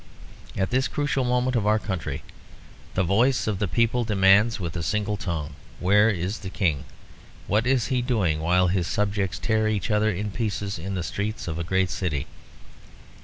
At this crucial moment of our country, the voice of the People demands with a single tongue, 'Where is the King?' What is he doing while his subjects tear each other in pieces in the streets of a great city?